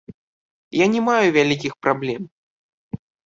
Я не маю вялікіх праблем.